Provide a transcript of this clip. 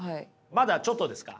まだちょっとですか？